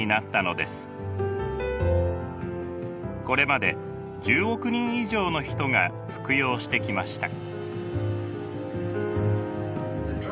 これまで１０億人以上の人が服用してきました。